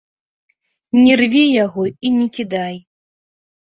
Не рві яго і не кідай.